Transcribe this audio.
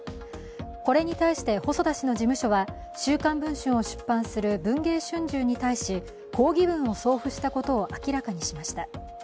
これに対して細田氏の事務所は「週刊文春」を出版する文藝春秋に対し抗議文を送付したことを明らかにしました。